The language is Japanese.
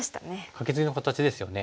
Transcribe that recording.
カケツギの形ですよね。